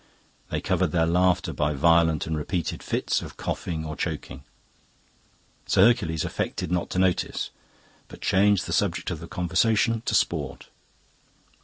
They covered their laughter by violent and repeated fits of coughing or choking. Sir Hercules affected not to notice, but changed the subject of the conversation to sport.